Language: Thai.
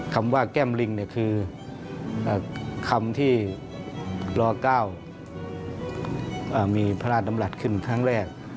คำว่าแก้มลิงคือคำที่ล๙มีพระราชดำรัฐขึ้นครั้งแรก